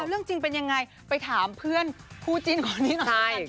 อะเรื่องจริงเป็นอย่างไรไปถามเพื่อนคู่จินคนนี่หนว่ากันค่ะ